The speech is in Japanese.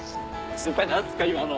先輩何すか今の！